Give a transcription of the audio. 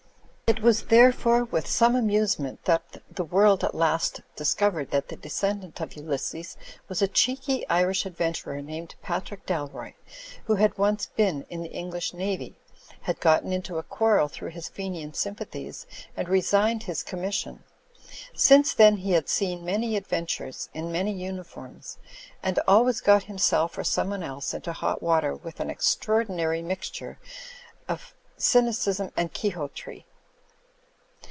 It was, therefore, with some amusement that the world at last discovered that the descendant of Ulysses was a cheeky Irish adventurer named Patrick Ddroy; who had once been in the English Navy, had got into a quarrel through his Fenian sympathies and resigned his commission. Since then he had seen many adventures in many imiforms; and always got / THE END OF OLIVE ISLAND 23 himself or some one else into hot water with an ex traordinary mixture of csmicism and quixotry.